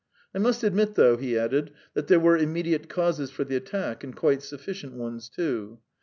"I must admit, though," he added, "that there were immediate causes for the attack, and quite sufficient ones too.